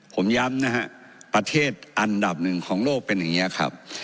ผมย้ำนะฮะประเทศอันดับหนึ่งของโลกเป็นอย่างนี้ครับ